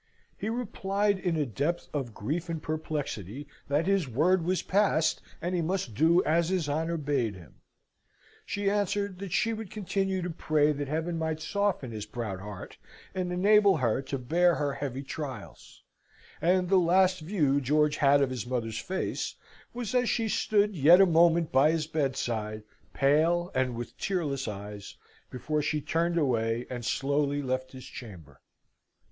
He replied in a depth of grief and perplexity, that his word was passed, and he must do as his honour bade him. She answered that she would continue to pray that Heaven might soften his proud heart, and enable her to bear her heavy trials: and the last view George had of his mother's face was as she stood yet a moment by his bedside, pale and with tearless eyes, before she turned away and slowly left his chamber.